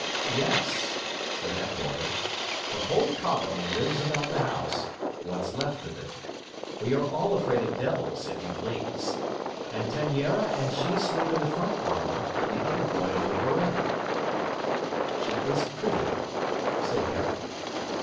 'Yes,' said Attwater, 'the whole colony lives about the house, what's left of it. We are all afraid of devils, if you please! and Taniera and she sleep in the front parlour, and the other boy on the verandah.' 'She is pretty,' said Herrick.